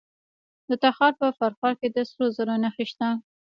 د تخار په فرخار کې د سرو زرو نښې شته.